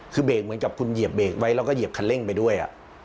คือเบรกเหมือนกับคุณเหยียบเบรกไว้แล้วก็เหยียบคันเร่งไปด้วย